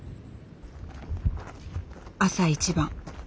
朝一番。